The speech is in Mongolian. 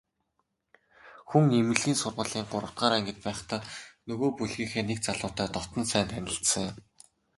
Хүн эмнэлгийн сургуулийн гуравдугаар ангид байхдаа нөгөө бүлгийнхээ нэг залуутай дотно сайн танилцсан юм.